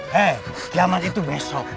hei kiamat itu besok